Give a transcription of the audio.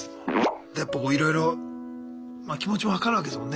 やっぱこういろいろ気持ちも分かるわけですもんね。